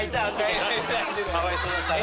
かわいそうだったから。